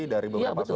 dari beberapa asosiasi